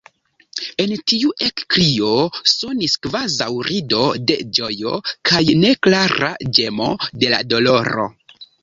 En tiu ekkrio sonis kvazaŭ rido de ĝojo kaj neklara ĝemo de doloro.